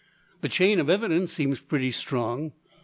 The chain of evidence seems pretty strong.